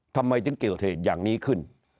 ทำไมจึงเกี่ยวเทศอย่างนี้ขึ้น